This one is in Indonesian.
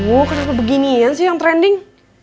wah kenapa beginian sih yang trending